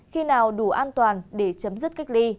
khi nào đủ an toàn để chấm dứt cách ly